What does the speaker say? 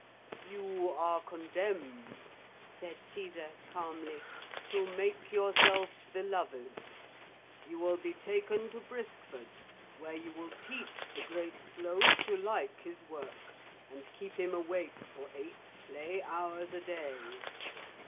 'You are condemned,' said Caesar calmly, 'to make yourself beloved. You will be taken to Briskford, where you will teach the Great Sloth to like his work and keep him awake for eight play hours a day.